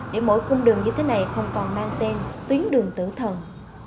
để mỗi cung đường như thế này không còn mang tên tuyến đường tử thần